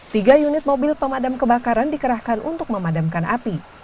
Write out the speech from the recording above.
tiga unit mobil pemadam kebakaran dikerahkan untuk memadamkan api